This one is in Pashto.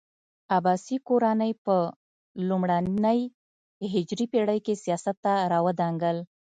عباسي کورنۍ په لومړنۍ هجري پېړۍ کې سیاست ته راوړانګل.